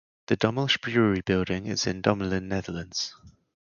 The Dommelsch Brewery building is in Dommelen, Netherlands.